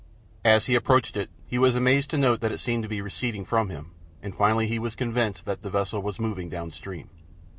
As he approached it he was amazed to note that it seemed to be receding from him, and finally he was convinced that the vessel was moving down stream.